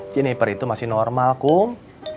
jennieper itu masih normal kum